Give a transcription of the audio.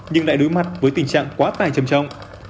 nhưng lại đối mặt với tình trạng quá tải trầm trọng